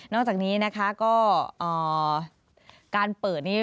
นอกจากนี้ก็การเปิดนี่